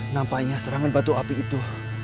nampaknya serangan batu api itu